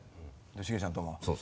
しげちゃんとも。